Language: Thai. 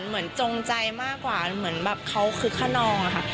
จงใจมากกว่าเหมือนแบบเขาคึกขนองค่ะ